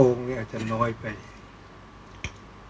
ก็ต้องทำอย่างที่บอกว่าช่องคุณวิชากำลังทำอยู่นั่นนะครับ